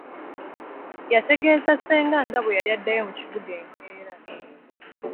Yategeeza ssenga nga bwe yali addayo mu kibuga enkeera.